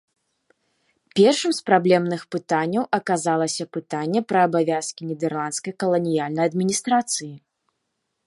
Першым з праблемных пытанняў аказалася пытанне пра абавязкі нідэрландскай каланіяльнай адміністрацыі.